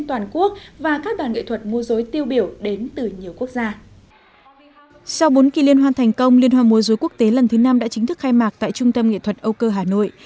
tinh hoa mô dối quốc tế lần thứ năm đã chính thức khai mạc tại trung tâm nghệ thuật âu cơ hà nội